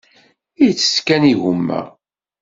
Ittett kan igumma.